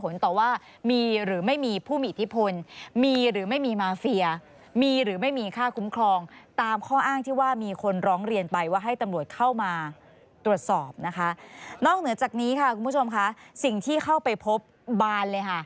นอกเหนือจากนี้ค่ะคุณผู้ชมค่ะสิ่งที่เข้าไปพบบานเลยค่ะ